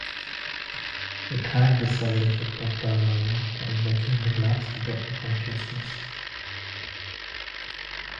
It had the side effect of paranoia and making her lapse into unconsciousness.